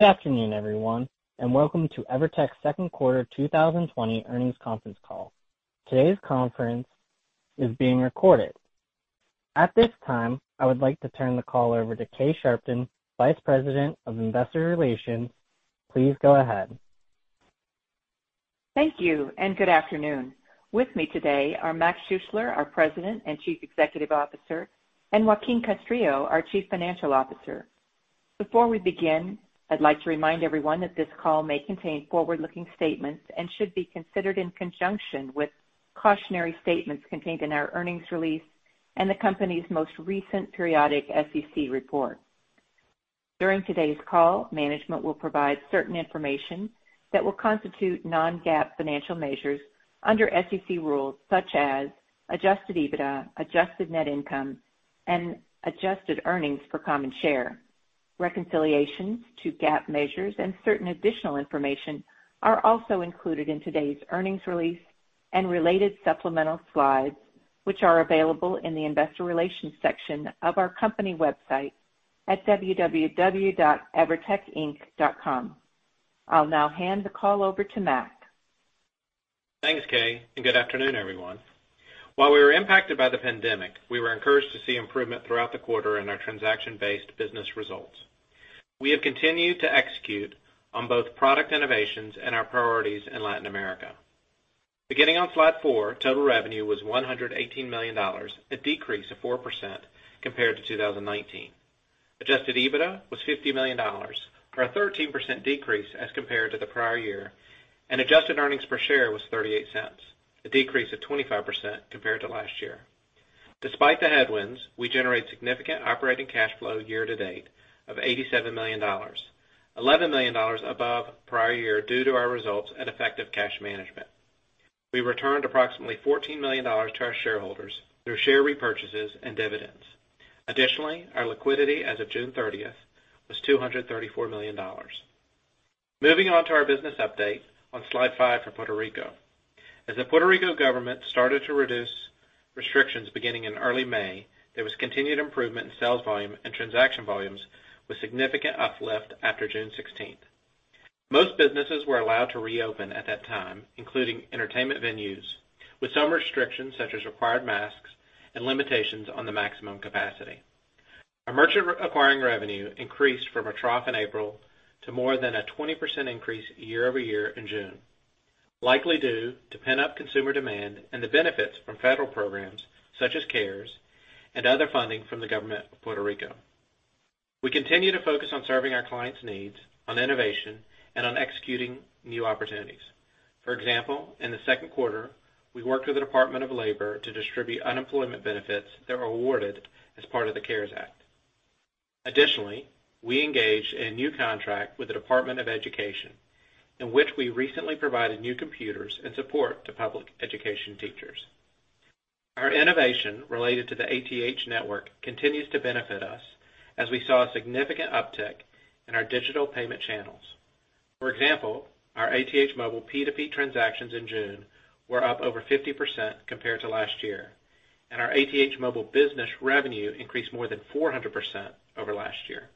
Good afternoon, everyone, and welcome to EVERTEC second quarter 2020 earnings conference call. Today's conference is being recorded. At this time, I would like to turn the call over to Kay Sharpton, Vice President of Investor Relations. Please go ahead. Thank you, and good afternoon. With me today are Mac Schuessler, our President and Chief Executive Officer, and Joaquín Castrillo, our Chief Financial Officer. Before we begin, I'd like to remind everyone that this call may contain forward-looking statements and should be considered in conjunction with cautionary statements contained in our earnings release, and the company's most recent periodic SEC report. During today's call, management will provide certain information that will constitute non-GAAP financial measures under SEC rules, such as adjusted EBITDA, adjusted net income, and adjusted earnings per common share. Reconciliations to GAAP measures and certain additional information are also included in today's earnings release and related supplemental slides, which are available in the investor relations section of our company website at evertecinc.com. I'll now hand the call over to Mac Schuessler. Thanks, Kay, and good afternoon, everyone. While we were impacted by the pandemic, we were encouraged to see improvement throughout the quarter in our transaction-based business results. We have continued to execute on both product innovations and our priorities in Latin America. Beginning on slide four, total revenue was $118 million, a decrease of 4% compared to 2019. Adjusted EBITDA was $50 million, or a 13% decrease as compared to the prior year, and adjusted earnings per share was $0.38, a decrease of 25% compared to last year. Despite the headwinds, we generated significant operating cash flow year to date of $87 million, $11 million above prior year due to our results and effective cash management. We returned approximately $14 million to our shareholders through share repurchases and dividends. Additionally, our liquidity as of June 30th was $234 million. Moving on to our business update on slide five for Puerto Rico. As the Puerto Rico government started to reduce restrictions beginning in early May, there was continued improvement in sales volume and transaction volumes with significant uplift after June 16th. Most businesses were allowed to reopen at that time, including entertainment venues, with some restrictions such as required masks and limitations on the maximum capacity. Our merchant acquiring revenue increased from a trough in April to more than a 20% increase year-over-year in June, likely due to pent-up consumer demand and the benefits from federal programs such as CARES and other funding from the government of Puerto Rico. We continue to focus on serving our clients' needs, on innovation, and on executing new opportunities. For example, in the second quarter, we worked with the Department of Labor to distribute unemployment benefits that were awarded as part of the CARES Act. We engaged in a new contract with the Department of Education, in which we recently provided new computers and support to public education teachers. Our innovation related to the A Toda Hora network continues to benefit us as we saw a significant uptick in our digital payment channels. For example, our ATH Móvil P2P transactions in June were up over 50% compared to last year. Our ATH Móvil Business revenue increased more than 400% over last year.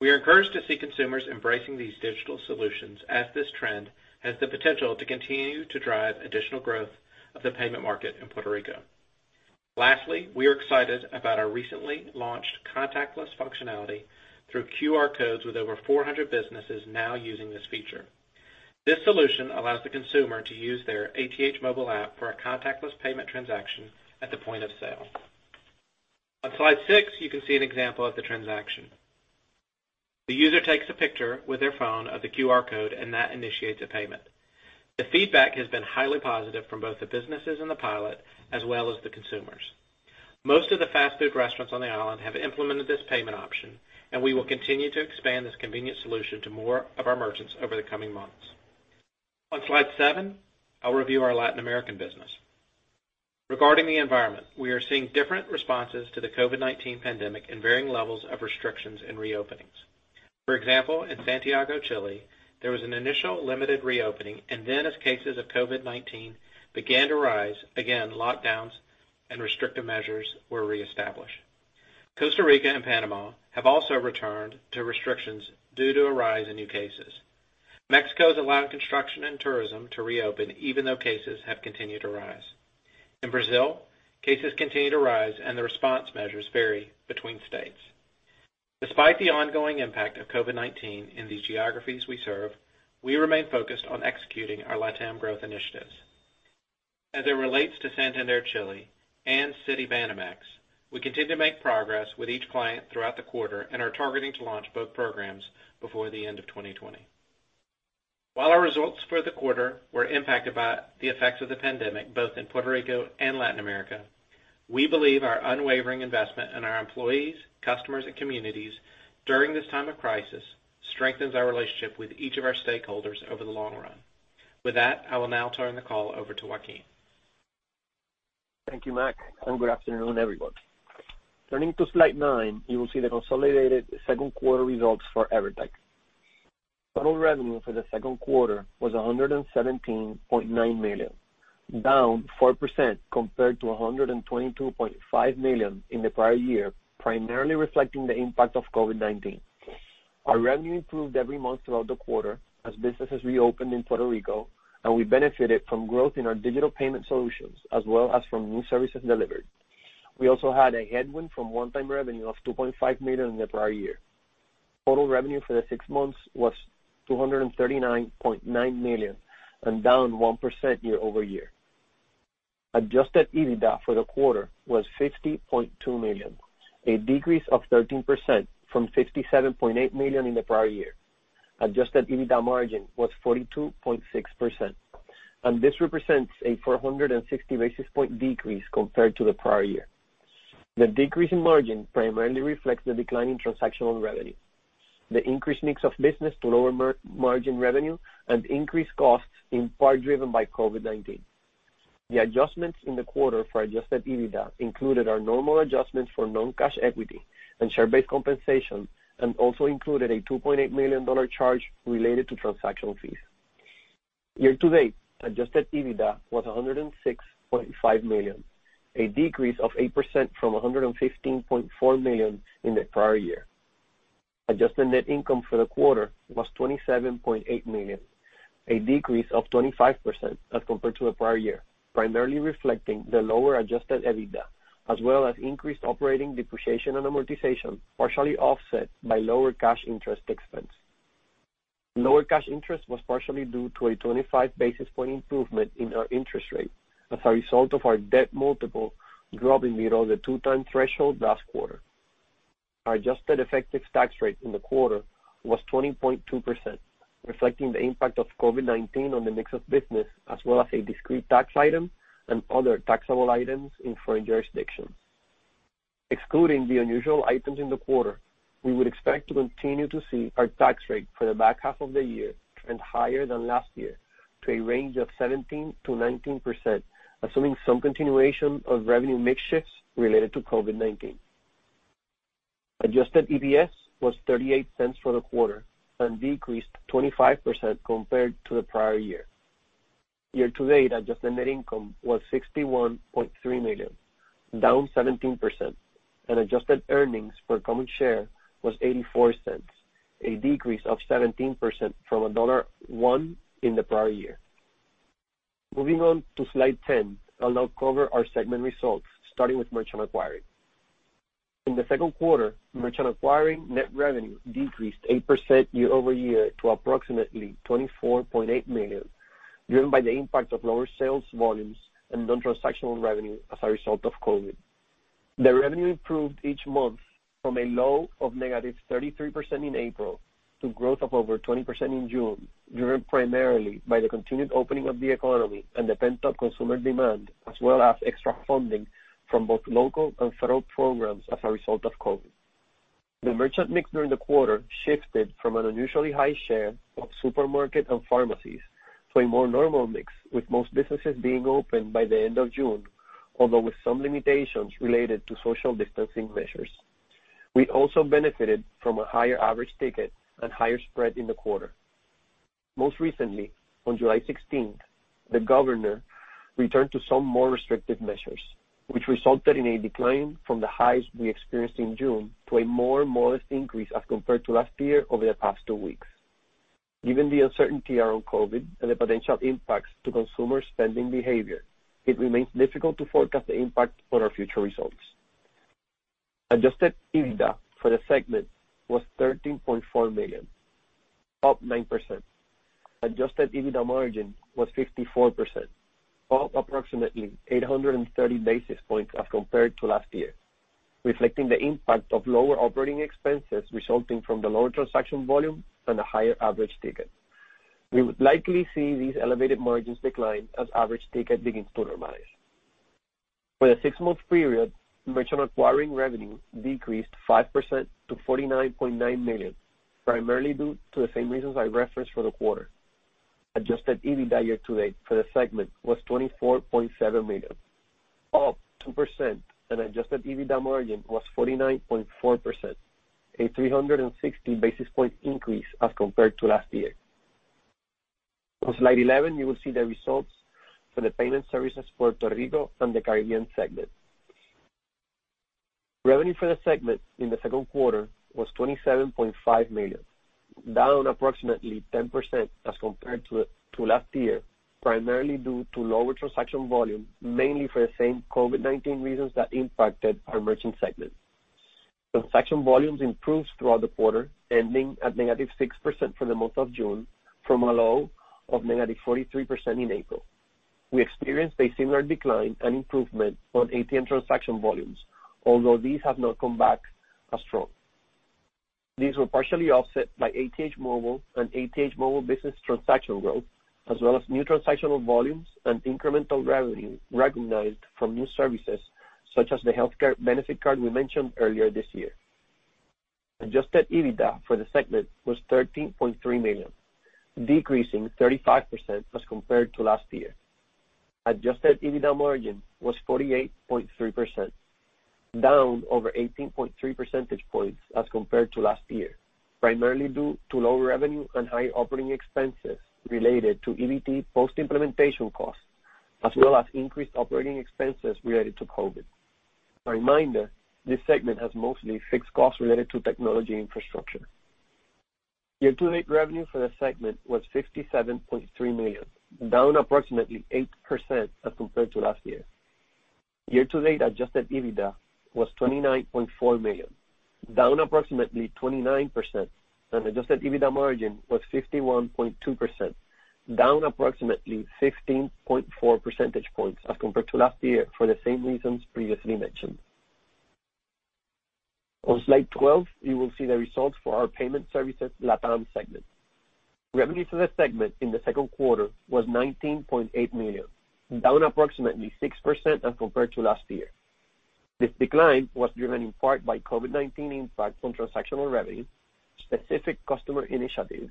We are encouraged to see consumers embracing these digital solutions as this trend has the potential to continue to drive additional growth of the payment market in Puerto Rico. Lastly, we are excited about our recently launched contactless functionality through QR codes, with over 400 businesses now using this feature. This solution allows the consumer to use their ATH Móvil app for a contactless payment transaction at the point of sale. On slide six, you can see an example of the transaction. The user takes a picture with their phone of the QR code, and that initiates a payment. The feedback has been highly positive from both the businesses in the pilot as well as the consumers. Most of the fast-food restaurants on the island have implemented this payment option, and we will continue to expand this convenient solution to more of our merchants over the coming months. On slide seven, I'll review our Latin American business. Regarding the environment, we are seeing different responses to the COVID-19 pandemic and varying levels of restrictions and reopenings. For example, in Santiago, Chile, there was an initial limited reopening, and then as cases of COVID-19 began to rise again, lockdowns and restrictive measures were reestablished. Costa Rica and Panama have also returned to restrictions due to a rise in new cases. Mexico has allowed construction and tourism to reopen even though cases have continued to rise. In Brazil, cases continue to rise and the response measures vary between states. Despite the ongoing impact of COVID-19 in these geographies we serve, we remain focused on executing our LATAM growth initiatives. As it relates to Santander Chile and Citibanamex, we continue to make progress with each client throughout the quarter and are targeting to launch both programs before the end of 2020. While our results for the quarter were impacted by the effects of the pandemic, both in Puerto Rico and Latin America, we believe our unwavering investment in our employees, customers, and communities during this time of crisis strengthens our relationship with each of our stakeholders over the long run. With that, I will now turn the call over to Joaquín Castrillo. Thank you, Mac, and good afternoon, everyone. Turning to slide nine, you will see the consolidated second quarter results for EVERTEC. Total revenue for the second quarter was $117.9 million Down 4% compared to $122.5 million in the prior year, primarily reflecting the impact of COVID-19. Our revenue improved every month throughout the quarter as businesses reopened in Puerto Rico, and we benefited from growth in our digital payment solutions, as well as from new services delivered. We also had a headwind from one-time revenue of $2.5 million in the prior year. Total revenue for the six months was $239.9 million, and down 1% year-over-year. Adjusted EBITDA for the quarter was $50.2 million, a decrease of 13% from $67.8 million in the prior year. Adjusted EBITDA margin was 42.6%, and this represents a 460 basis points decrease compared to the prior year. The decrease in margin primarily reflects the decline in transactional revenue, the increased mix of business to lower margin revenue, and increased costs in part driven by COVID-19. The adjustments in the quarter for adjusted EBITDA included our normal adjustments for non-cash equity and share-based compensation, and also included a $2.8 million charge related to transactional fees. Year to date, adjusted EBITDA was $106.5 million, a decrease of 8% from $115.4 million in the prior year. Adjusted net income for the quarter was $27.8 million, a decrease of 25% as compared to the prior year, primarily reflecting the lower adjusted EBITDA, as well as increased operating depreciation and amortization, partially offset by lower cash interest expense. Lower cash interest was partially due to a 25 basis points improvement in our interest rate as a result of our debt multiple dropping below the two-time threshold last quarter. Our adjusted effective tax rate in the quarter was 20.2%, reflecting the impact of COVID-19 on the mix of business, as well as a discrete tax item and other taxable items in foreign jurisdictions. Excluding the unusual items in the quarter, we would expect to continue to see our tax rate for the back half of the year trend higher than last year to a range of 17%-19%, assuming some continuation of revenue mix shifts related to COVID-19. Adjusted EPS was $0.38 for the quarter and decreased 25% compared to the prior year. Year to date, adjusted net income was $61.3 million, down 17%, and adjusted earnings per common share was $0.84, a decrease of 17% from $1 in the prior year. Moving on to slide 10, I'll now cover our segment results, starting with merchant acquiring. In the second quarter, merchant acquiring net revenue decreased 8% year-over-year to approximately $24.8 million, driven by the impact of lower sales volumes and non-transactional revenue as a result of COVID. The revenue improved each month from a low of negative 33% in April to growth of over 20% in June, driven primarily by the continued opening of the economy and the pent-up consumer demand, as well as extra funding from both local and federal programs as a result of COVID. The merchant mix during the quarter shifted from an unusually high share of supermarket and pharmacies to a more normal mix, with most businesses being open by the end of June, although with some limitations related to social distancing measures. We also benefited from a higher average ticket and higher spread in the quarter. Most recently, on July 16th, the governor returned to some more restrictive measures, which resulted in a decline from the highs we experienced in June to a more modest increase as compared to last year over the past two weeks. Given the uncertainty around COVID and the potential impacts to consumer spending behavior, it remains difficult to forecast the impact on our future results. Adjusted EBITDA for the segment was $13.4 million, up 9%. Adjusted EBITDA margin was 54%, up approximately 830 basis points as compared to last year, reflecting the impact of lower operating expenses resulting from the lower transaction volume and a higher average ticket. We would likely see these elevated margins decline as average ticket begins to normalize. For the six-month period, merchant acquiring revenue decreased 5% to $49.9 million, primarily due to the same reasons I referenced for the quarter. Adjusted EBITDA year to date for the segment was $24.7 million, up 2%, and adjusted EBITDA margin was 49.4%, a 360 basis points increase as compared to last year. On slide 11, you will see the results for the Payment Services Puerto Rico and the Caribbean segment. Revenue for the segment in the second quarter was $27.5 million, down approximately 10% as compared to last year, primarily due to lower transaction volume, mainly for the same COVID-19 reasons that impacted our Merchant segment. Transaction volumes improved throughout the quarter, ending at -6% for the month of June from a low of -43% in April. We experienced a similar decline and improvement on ATM transaction volumes, although these have not come back as strong. These were partially offset by ATH Móvil and ATH Móvil Business transaction growth, as well as new transactional volumes and incremental revenue recognized from new services, such as the healthcare benefit card we mentioned earlier this year. Adjusted EBITDA for the segment was $13.3 million, decreasing 35% as compared to last year. Adjusted EBITDA margin was 48.3%. Down over 18.3 percentage points as compared to last year, primarily due to low revenue and high operating expenses related to Electronic Volume Trend post-implementation costs, as well as increased operating expenses related to COVID-19. A reminder, this segment has mostly fixed costs related to technology infrastructure. Year-to-date revenue for the segment was $57.3 million, down approximately 8% as compared to last year. Year-to-date adjusted EBITDA was $29.4 million, down approximately 29%, and adjusted EBITDA margin was 51.2%, down approximately 16.4 percentage points as compared to last year for the same reasons previously mentioned. On slide 12, you will see the results for our Payment Services LATAM segment. Revenue for the segment in the second quarter was $19.8 million, down approximately 6% as compared to last year. This decline was driven in part by COVID-19 impact on transactional revenue, specific customer initiatives,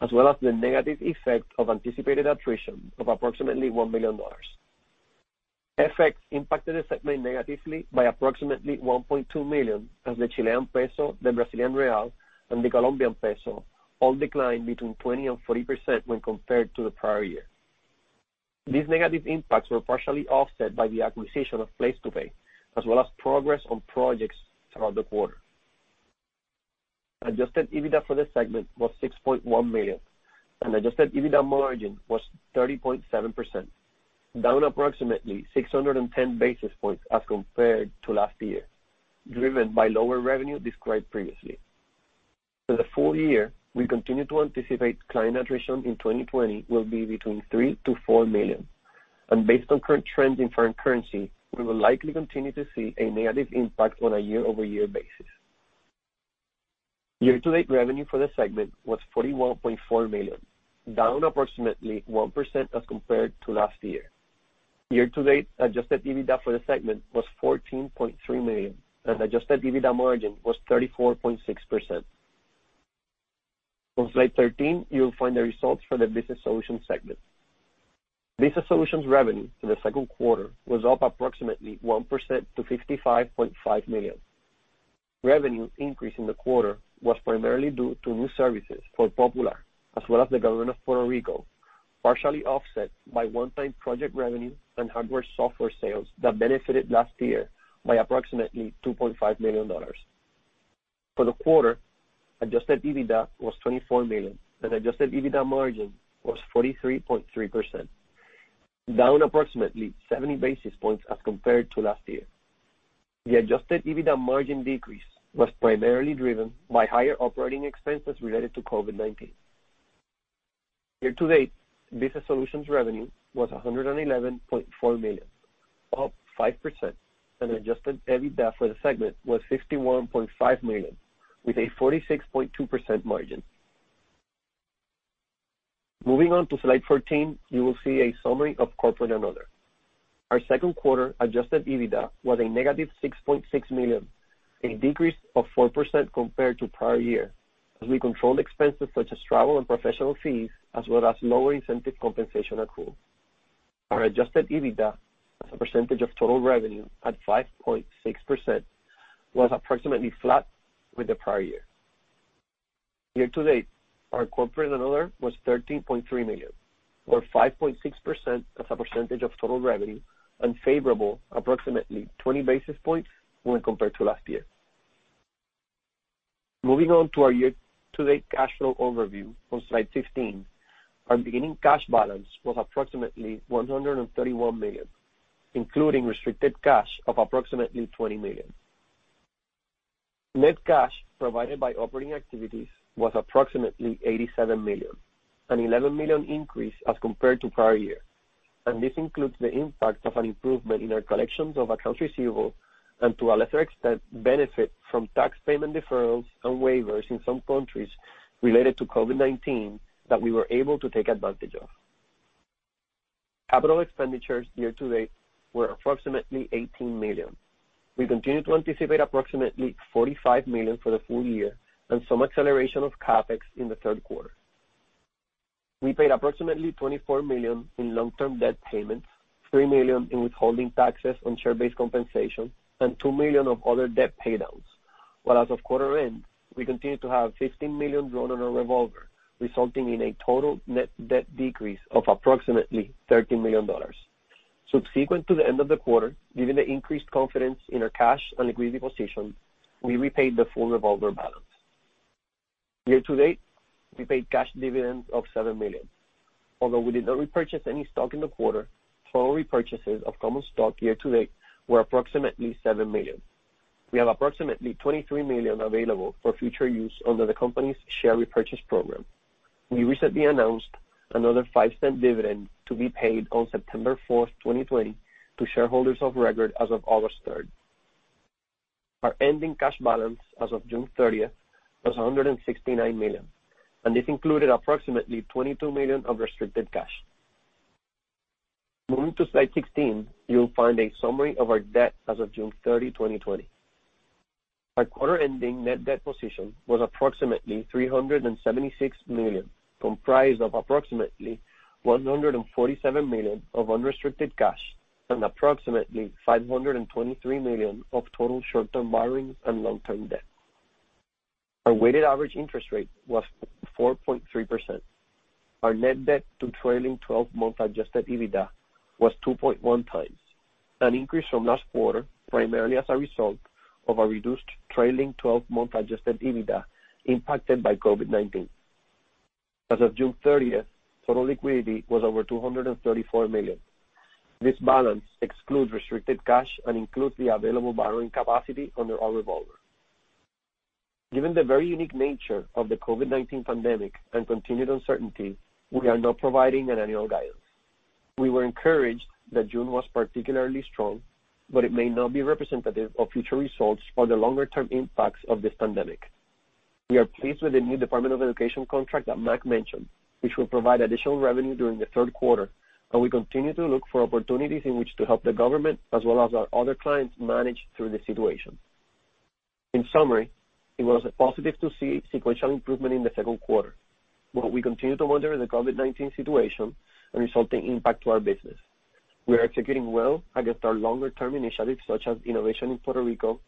as well as the negative effect of anticipated attrition of approximately $1 million. FX impacted the segment negatively by approximately $1.2 million, as the Chilean peso, the Brazilian real, and the Colombian peso all declined between 20%-40% when compared to the prior year. These negative impacts were partially offset by the acquisition of PlacetoPay, as well as progress on projects throughout the quarter. Adjusted EBITDA for the segment was $6.1 million, and adjusted EBITDA margin was 30.7%, down approximately 610 basis points as compared to last year, driven by lower revenue described previously. For the full year, we continue to anticipate client attrition in 2020 will be between 3 million-4 million. Based on current trends in foreign currency, we will likely continue to see a negative impact on a year-over-year basis. Year-to-date revenue for the segment was $41.4 million, down approximately 1% as compared to last year. Year-to-date adjusted EBITDA for the segment was $14.3 million, and adjusted EBITDA margin was 34.6%. On slide 13, you will find the results for the Business Solutions segment. Business Solutions revenue for the second quarter was up approximately 1% to $55.5 million. Revenue increase in the quarter was primarily due to new services for Popular, as well as the government of Puerto Rico, partially offset by one-time project revenue and hardware-software sales that benefited last year by approximately $2.5 million. For the quarter, adjusted EBITDA was $24 million, and adjusted EBITDA margin was 43.3%, down approximately 70 basis points as compared to last year. The adjusted EBITDA margin decrease was primarily driven by higher operating expenses related to COVID-19. Year-to-date, Business Solutions revenue was $111.4 million, up 5%, and adjusted EBITDA for the segment was $61.5 million, with a 46.2% margin. Moving on to slide 14, you will see a summary of Corporate and Other. Our second quarter adjusted EBITDA was a negative $6.6 million, a decrease of 4% compared to prior year, as we controlled expenses such as travel and professional fees, as well as lower incentive compensation accrual. Our adjusted EBITDA as a percentage of total revenue at 5.6% was approximately flat with the prior year. Year-to-date, our Corporate and Other was $13.3 million, or 5.6% as a percentage of total revenue, unfavorable approximately 20 basis points when compared to last year. Moving on to our year-to-date cash flow overview on slide 15. Our beginning cash balance was approximately $131 million, including restricted cash of approximately $20 million. Net cash provided by operating activities was approximately $87 million, an $11 million increase as compared to prior year. This includes the impact of an improvement in our collections of accounts receivable and, to a lesser extent, benefit from tax payment deferrals and waivers in some countries related to COVID-19 that we were able to take advantage of. Capital expenditures year-to-date were approximately $18 million. We continue to anticipate approximately $45 million for the full year and some acceleration of CapEx in the third quarter. We paid approximately $24 million in long-term debt payments, $3 million in withholding taxes on share-based compensation, and $2 million of other debt paydowns, while as of quarter end, we continue to have $15 million drawn on our revolver, resulting in a total net debt decrease of approximately $30 million. Subsequent to the end of the quarter, given the increased confidence in our cash and liquidity position, we repaid the full revolver balance. Year to date, we paid cash dividends of $7 million. Although we did not repurchase any stock in the quarter, total repurchases of common stock year to date were approximately $7 million. We have approximately $23 million available for future use under the company's share repurchase program. We recently announced another $0.05 dividend to be paid on September 4th, 2020 to shareholders of record as of August 3rd. Our ending cash balance as of June 30th was $169 million, and this included approximately $22 million of restricted cash. Moving to slide 16, you will find a summary of our debt as of June 30, 2020. Our quarter-ending net debt position was approximately $376 million, comprised of approximately $147 million of unrestricted cash and approximately $523 million of total short-term borrowing and long-term debt. Our weighted average interest rate was 4.3%. Our net debt to trailing 12-month adjusted EBITDA was 2.1x, an increase from last quarter, primarily as a result of a reduced trailing 12-month adjusted EBITDA impacted by COVID-19. As of June 30th, total liquidity was over $234 million. This balance excludes restricted cash and includes the available borrowing capacity under our revolver. Given the very unique nature of the COVID-19 pandemic and continued uncertainty, we are not providing an annual guidance. We were encouraged that June was particularly strong, but it may not be representative of future results or the longer-term impacts of this pandemic. We are pleased with the new Department of Education contract that Mac mentioned, which will provide additional revenue during the third quarter, and we continue to look for opportunities in which to help the government, as well as our other clients manage through the situation. In summary, it was positive to see a sequential improvement in the second quarter, but we continue to monitor the COVID-19 situation and resulting impact to our business. We are executing well against our longer-term initiatives, such as innovation in Puerto Rico,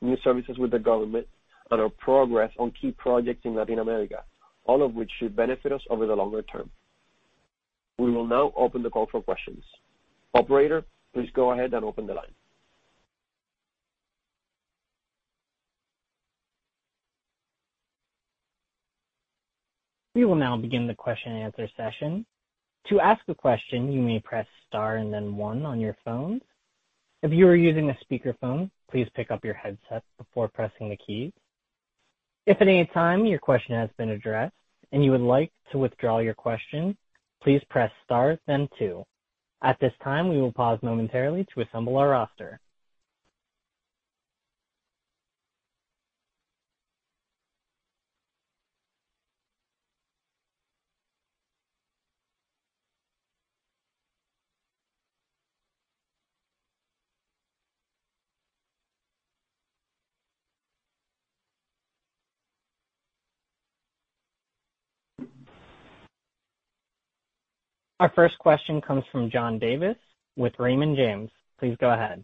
new services with the government, and our progress on key projects in Latin America, all of which should benefit us over the longer term. We will now open the call for questions. Operator, please go ahead and open the line. We will now begin the question and answer session. To ask a question, you may press star and then one on your phone. If you are using a speakerphone, please pick up your headset before pressing the key. If at any time your question has been addressed and you would like to withdraw your question, please press star then two. At this time, we will pause momentarily to assemble our roster. Our first question comes from John Davis with Raymond James. Please go ahead.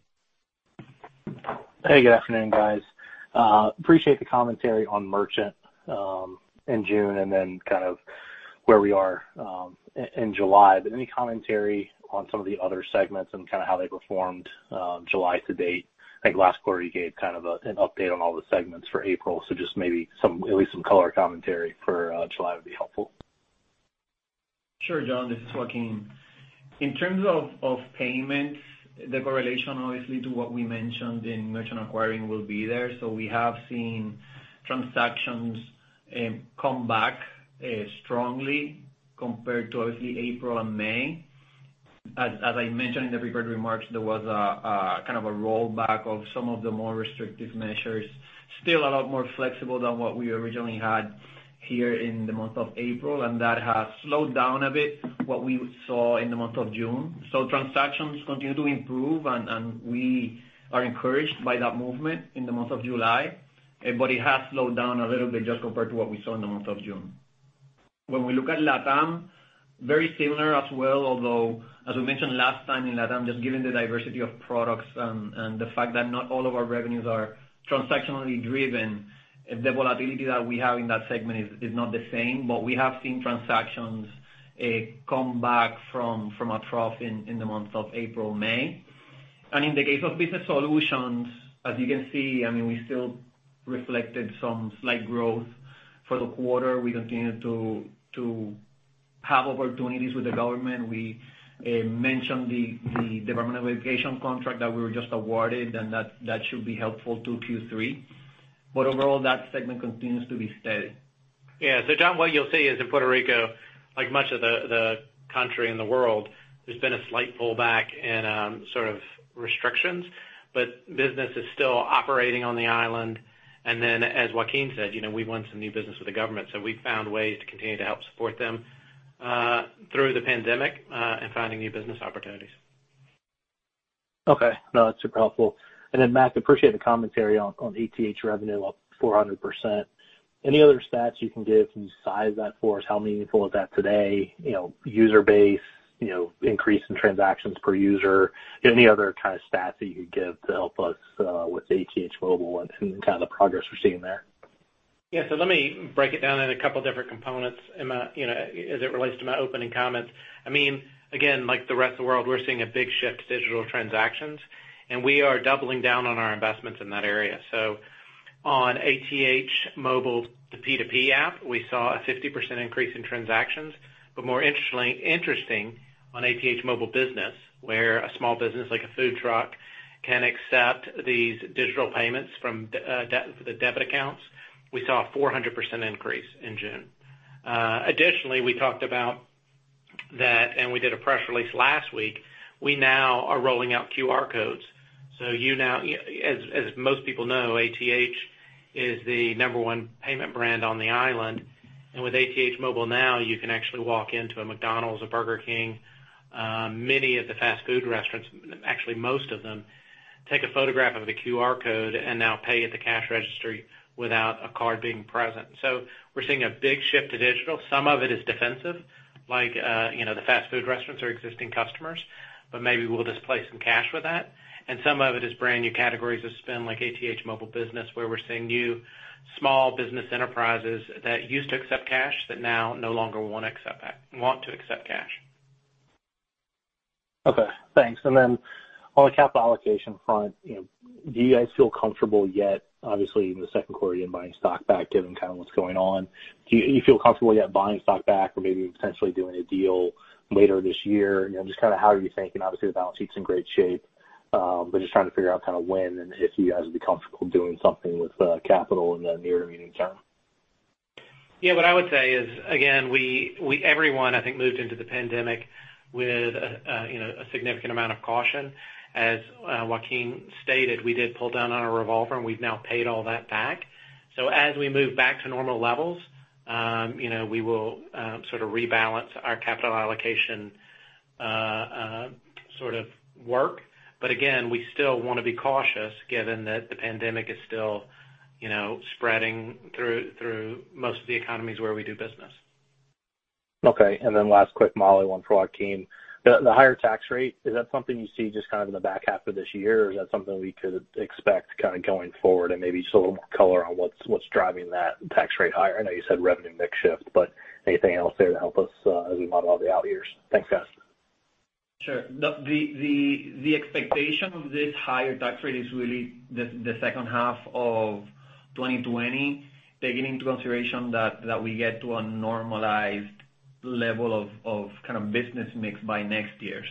Hey, good afternoon, guys. Appreciate the commentary on merchant in June and then kind of where we are in July. Any commentary on some of the other segments and kind of how they performed July to date? I think last quarter you gave kind of an update on all the segments for April. Just maybe at least some color commentary for July would be helpful. Sure, John. This is Joaquín. In terms of payments, the correlation obviously to what we mentioned in merchant acquiring will be there. We have seen transactions come back strongly compared to obviously April and May. As I mentioned in the prepared remarks, there was a kind of a rollback of some of the more restrictive measures. Still a lot more flexible than what we originally had here in the month of April, and that has slowed down a bit what we saw in the month of June. Transactions continue to improve, and we are encouraged by that movement in the month of July. It has slowed down a little bit just compared to what we saw in the month of June. When we look at LATAM, very similar as well, although as we mentioned last time in LATAM, just given the diversity of products and the fact that not all of our revenues are transactionally driven, the volatility that we have in that segment is not the same. We have seen transactions come back from a trough in the months of April, May. In the case of Business Solutions, as you can see, we still reflected some slight growth for the quarter. We continue to have opportunities with the government. We mentioned the U.S. Department of Education contract that we were just awarded, and that should be helpful to Q3. Overall, that segment continues to be steady. John, what you'll see is in Puerto Rico, like much of the country and the world, there's been a slight pullback in sort of restrictions. Business is still operating on the island. As Joaquín said, we won some new business with the government. We found ways to continue to help support them through the pandemic and finding new business opportunities. Okay. No, that's super helpful. Mac, appreciate the commentary on ATH revenue up 400%. Any other stats you can give to size that for us? How meaningful is that today? User base, increase in transactions per user. Any other kind of stats that you could give to help us with ATH Móvil and kind of the progress we're seeing there? Yeah. Let me break it down in a couple different components as it relates to my opening comments. Again, like the rest of the world, we're seeing a big shift to digital transactions, and we are doubling down on our investments in that area. On ATH Móvil, the P2P app, we saw a 50% increase in transactions. More interestingly, interesting on ATH Móvil Business, where a small business like a food truck can accept these digital payments from the debit accounts. We saw a 400% increase in June. Additionally, we talked about that and we did a press release last week. We now are rolling out QR codes. As most people know, ATH is the number one payment brand on the island. With ATH Móvil now, you can actually walk into a McDonald's, a Burger King, many of the fast food restaurants, actually most of them, take a photograph of the QR code and now pay at the cash registry without a card being present. We're seeing a big shift to digital. Some of it is defensive, like the fast food restaurants are existing customers, but maybe we'll displace some cash with that. Some of it is brand new categories of spend like ATH Móvil Business, where we're seeing new small business enterprises that used to accept cash that now no longer want to accept cash. Okay, thanks. On the capital allocation front, do you guys feel comfortable yet, obviously in the second quarter, you're buying stock back given what's going on? Do you feel comfortable yet buying stock back or maybe potentially doing a deal later this year? Just how are you thinking? Obviously, the balance sheet's in great shape, but just trying to figure out when and if you guys would be comfortable doing something with capital in the near-term. Yeah. What I would say is, again, everyone, I think, moved into the pandemic with a significant amount of caution. As Joaquín stated, we did pull down on our revolver, and we've now paid all that back. As we move back to normal levels, we will rebalance our capital allocation work. Again, we still want to be cautious given that the pandemic is still spreading through most of the economies where we do business. Okay. Last quick model one for Joaquín. The higher tax rate, is that something you see just in the back half of this year, or is that something we could expect going forward? Maybe just a little more color on what's driving that tax rate higher. I know you said revenue mix shift, but anything else there to help us as we model out the out years? Thanks, guys. Sure. The expectation of this higher tax rate is really the second half of 2020, taking into consideration that we get to a normalized level of business mix by next year.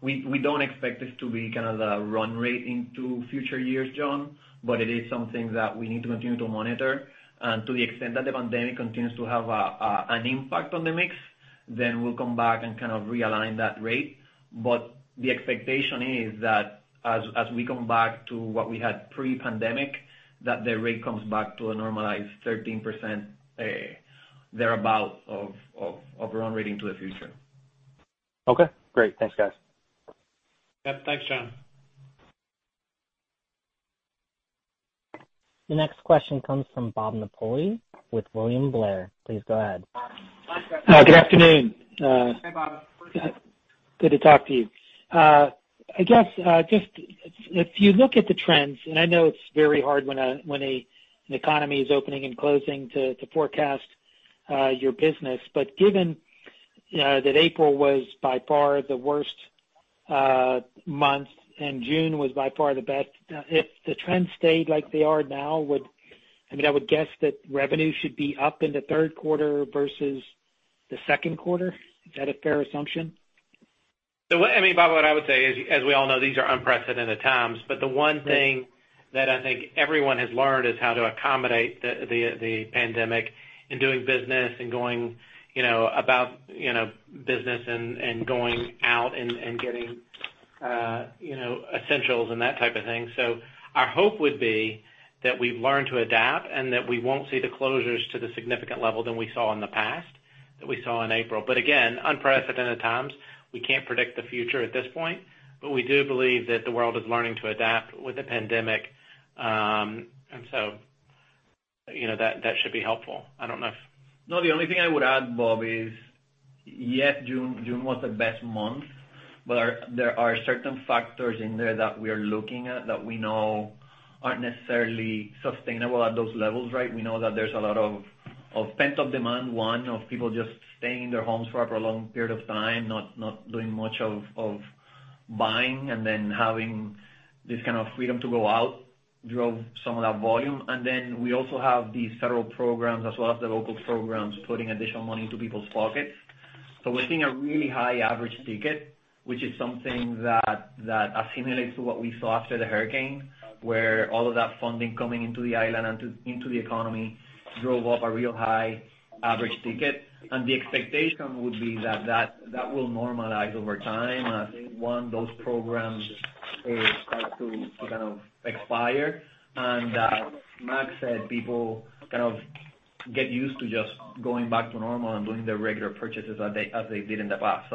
We don't expect this to be the run rate into future years, John, but it is something that we need to continue to monitor. To the extent that the pandemic continues to have an impact on the mix, then we'll come back and realign that rate. The expectation is that as we come back to what we had pre-pandemic, that the rate comes back to a normalized 13% thereabout of run rating to the future. Okay, great. Thanks, guys. Yeah. Thanks, John. The next question comes from Bob Napoli with William Blair. Please go ahead. Good afternoon. Hi, Bob. Good to talk to you. I guess, just if you look at the trends, and I know it's very hard when an economy is opening and closing to forecast your business, but given that April was by far the worst month and June was by far the best, if the trends stayed like they are now, I would guess that revenue should be up in the third quarter versus the second quarter. Is that a fair assumption? Bob, what I would say is, as we all know, these are unprecedented times. The one thing that I think everyone has learned is how to accommodate the pandemic in doing business and going about business and going out and getting essentials and that type of thing. Our hope would be that we've learned to adapt and that we won't see the closures to the significant level than we saw in the past, that we saw in April. Again, unprecedented times. We can't predict the future at this point, but we do believe that the world is learning to adapt with the pandemic. That should be helpful. No, the only thing I would add, Bob, is yes, June was the best month, but there are certain factors in there that we are looking at that we know aren't necessarily sustainable at those levels, right? We know that there's a lot of pent-up demand. One, of people just staying in their homes for a prolonged period of time, not doing much of buying, and then having this freedom to go out drove some of that volume. We also have these federal programs as well as the local programs putting additional money into people's pockets. We're seeing a really high average ticket, which is something that assimilates to what we saw after the hurricane, where all of that funding coming into the island and into the economy drove up a real high average ticket. The expectation would be that that will normalize over time as, one, those programs start to expire. As Mac said, people get used to just going back to normal and doing their regular purchases as they did in the past.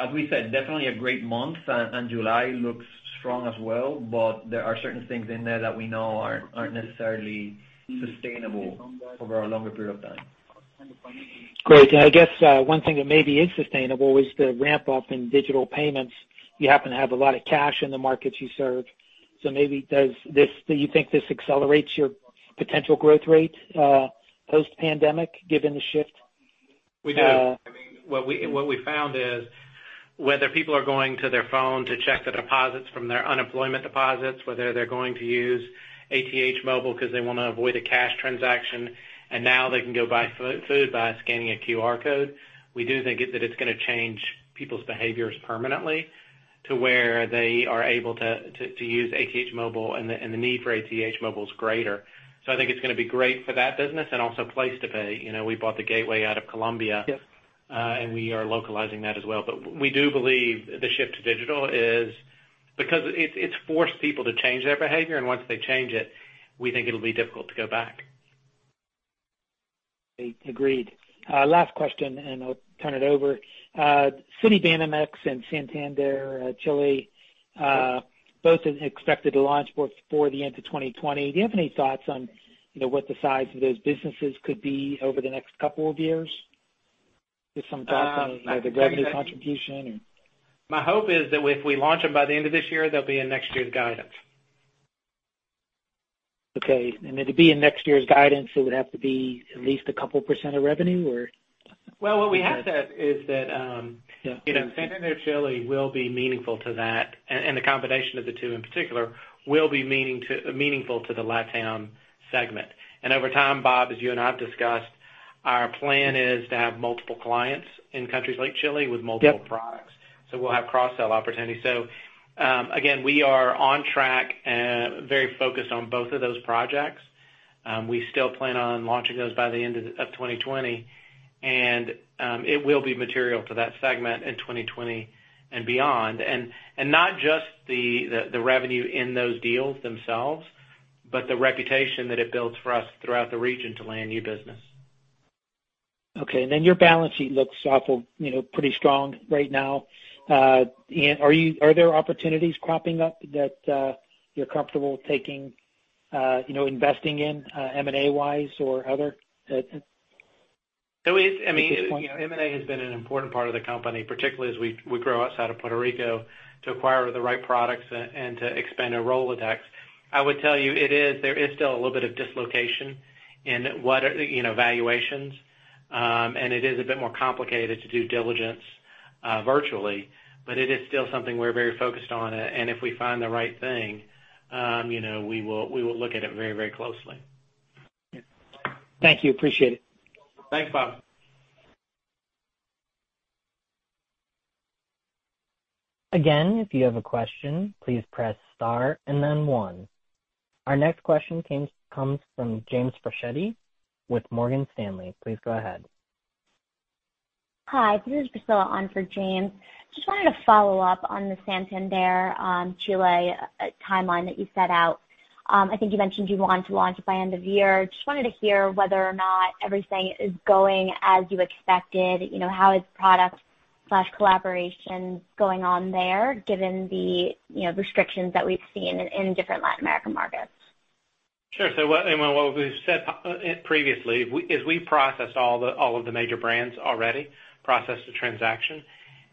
As we said, definitely a great month, and July looks strong as well, but there are certain things in there that we know aren't necessarily sustainable over a longer period of time. Great. I guess one thing that maybe is sustainable is the ramp-up in digital payments. You happen to have a lot of cash in the markets you serve. Maybe do you think this accelerates your potential growth rate post-pandemic given the shift? We do. What we found is whether people are going to their phone to check the deposits from their unemployment deposits, whether they're going to use ATH Móvil because they want to avoid a cash transaction, and now they can go buy food by scanning a QR code. We do think that it's going to change people's behaviors permanently to where they are able to use ATH Móvil and the need for ATH Móvil is greater. I think it's going to be great for that business and also PlacetoPay. We bought the gateway out of Colombia. Yes. We are localizing that as well. We do believe the shift to digital is because it's forced people to change their behavior, and once they change it, we think it'll be difficult to go back. Agreed. Last question, and I'll turn it over. Citibanamex and Banco Santander-Chile both are expected to launch before the end of 2020. Do you have any thoughts on what the size of those businesses could be over the next couple of years? Just some thoughts on the revenue contribution. My hope is that if we launch them by the end of this year, they'll be in next year's guidance. Okay. To be in next year's guidance, it would have to be at least a couple % of revenue, or? Well, what we have said is that Banco Santander-Chile will be meaningful to that, and the combination of the two in particular will be meaningful to the LATAM segment. Over time, Bob, as you and I've discussed, our plan is to have multiple clients in countries like Chile with multiple products. We'll have cross-sell opportunities. Again, we are on track and very focused on both of those projects. We still plan on launching those by the end of 2020. It will be material to that segment in 2020 and beyond. Not just the revenue in those deals themselves, but the reputation that it builds for us throughout the region to land new business. Okay. Your balance sheet looks pretty strong right now. Are there opportunities cropping up that you're comfortable taking, investing in M&A-wise or other at this point? M&A has been an important part of the company, particularly as we grow outside of Puerto Rico to acquire the right products and to expand our rolodex. I would tell you, there is still a little bit of dislocation in valuations. It is a bit more complicated to do diligence virtually, but it is still something we're very focused on. If we find the right thing, we will look at it very closely. Thank you. Appreciate it. Thanks, Bob. Again, if you have a question, please press star and then one. Our next question comes from James Faucette with Morgan Stanley. Please go ahead. Hi, this is Priscilla Russo on for James. Just wanted to follow up on the Santander Chile timeline that you set out. I think you mentioned you want to launch it by end of year. Just wanted to hear whether or not everything is going as you expected. How is product/collaboration going on there given the restrictions that we've seen in different Latin American markets? Sure. What we've said previously is we've processed all of the major brands already, processed the transaction.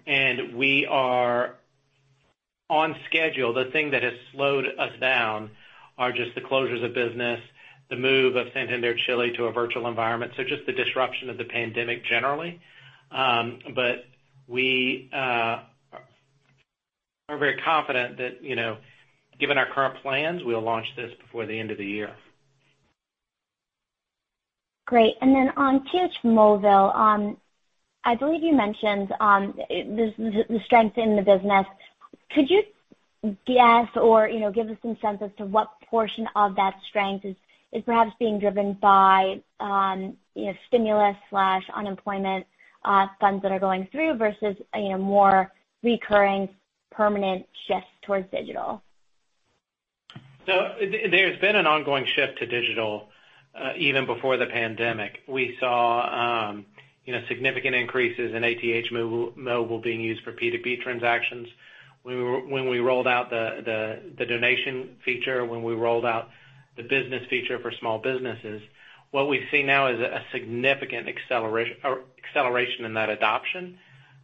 We are on schedule. The thing that has slowed us down are just the closures of business, the move of Banco Santander-Chile to a virtual environment, so just the disruption of the pandemic generally. We are very confident that given our current plans, we'll launch this before the end of the year. Great. Then on ATH Móvil, I believe you mentioned the strength in the business. Could you guess or give us some sense as to what portion of that strength is perhaps being driven by stimulus/unemployment funds that are going through versus more recurring permanent shifts towards digital? There's been an ongoing shift to digital even before the pandemic. We saw significant increases in ATH Móvil being used for P2P transactions when we rolled out the donation feature, when we rolled out the business feature for small businesses. What we see now is a significant acceleration in that adoption.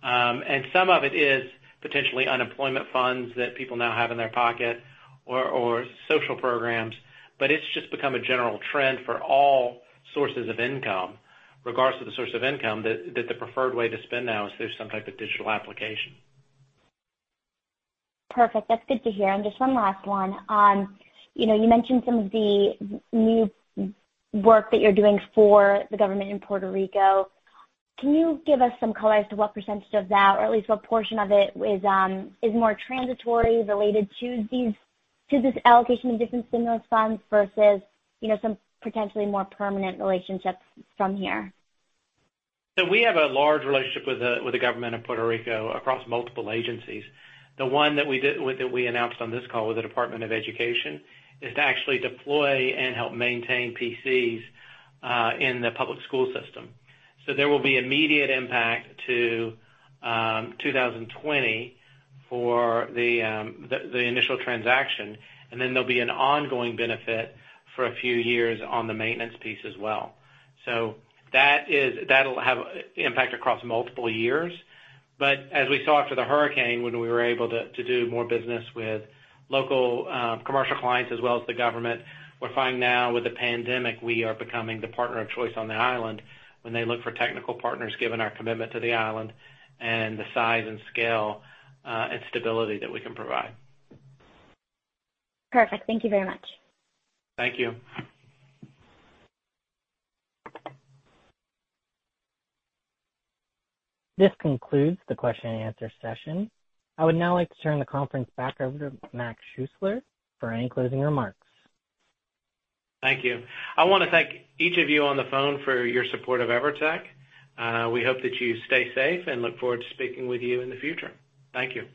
Some of it is potentially unemployment funds that people now have in their pocket or social programs, but it's just become a general trend for all sources of income, regardless of the source of income, that the preferred way to spend now is through some type of digital application. Perfect. That's good to hear. Just one last one. You mentioned some of the new work that you're doing for the government in Puerto Rico. Can you give us some color as to what percent of that, or at least what portion of it is more transitory related to this allocation of different stimulus funds versus some potentially more permanent relationships from here? We have a large relationship with the government of Puerto Rico across multiple agencies. The one that we announced on this call with the Department of Education is to actually deploy and help maintain PCs in the public school system. There will be immediate impact to 2020 for the initial transaction, and then there'll be an ongoing benefit for a few years on the maintenance piece as well. That'll have impact across multiple years. As we saw after the hurricane, when we were able to do more business with local commercial clients as well as the government, we're finding now with the pandemic, we are becoming the partner of choice on the island when they look for technical partners given our commitment to the island and the size and scale and stability that we can provide. Perfect. Thank you very much. Thank you. This concludes the question and answer session. I would now like to turn the conference back over to Mac Schuessler for any closing remarks. Thank you. I want to thank each of you on the phone for your support of EVERTEC. We hope that you stay safe and look forward to speaking with you in the future. Thank you.